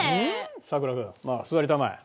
さくら君まあ座りたまえ。